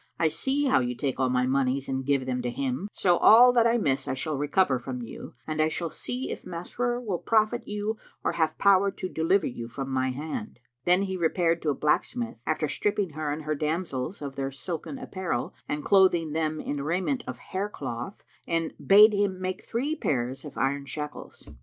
I see how you take all my monies and give them to him; so all that I miss I shall recover from you: and I shall see if Masrur will profit you or have power to deliver you from my hand." Then he repaired to a blacksmith, after stripping her and her damsels of their silken apparel and clothing them in raiment of hair cloth, and bade him make three pairs of iron shackles.